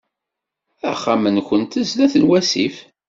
Axxam-nwent sdat n wasif.